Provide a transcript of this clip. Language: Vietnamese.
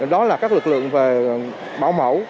đó là các lực lượng về bảo mẫu